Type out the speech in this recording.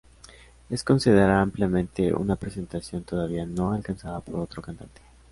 Es considerada ampliamente una presentación todavía no alcanzada por otro cantante.